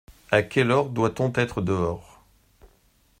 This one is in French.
À quelle heure doit-on être dehors ?